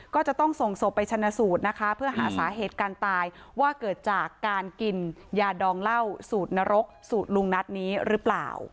ก็จะต้องส่งศพไปชนะสูตรนะคะเพื่อหาสาเหตุการตายว่าเกิดจากการกินยาดองเหล้าสูตรนรกสูตรลุงนัดนี้หรือเปล่า